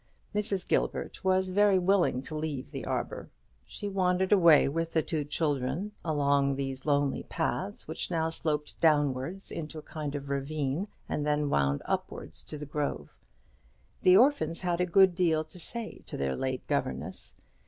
Mrs. Gilbert was very willing to leave the arbour. She wandered away with the two children along those lonely paths, which now sloped downwards into a kind of ravine, and then wound upwards to the grove. The orphans had a good deal to say to their late governess.